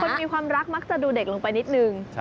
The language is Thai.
มีความรักมักจะดูเด็กลงไปนิดนึง